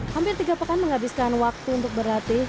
hampir tiga pekan menghabiskan waktu untuk berlatih